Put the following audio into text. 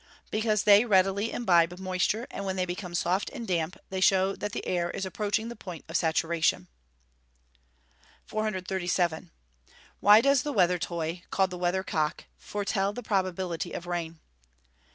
_ Because they readily imbibe moisture, and when they become soft and damp they show that the air is approaching the point of saturation. 437. _Why does the weather toy, called the "weather cock," foretell the probability of rain?